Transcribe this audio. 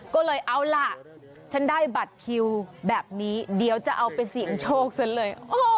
ก็เลยเอาล่ะฉันได้บัตรคิวแบบนี้เดี๋ยวจะเอาไปเสี่ยงโชคซะเลย